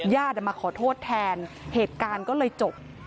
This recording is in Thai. ญาติมาขอโทษแทนเหตุการณ์ก็เลยจบ